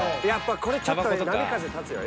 ［これちょっと波風立つよ。